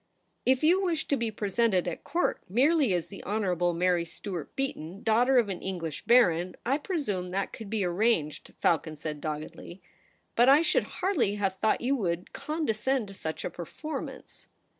' If you wish to be presented at Court merely as the Honourable Mary Stuart Beaton, daughter of an English baron, I presume that could be arranged/ Falcon said doggedly. ' But I should hardly have thought you would condescend to such a performance.'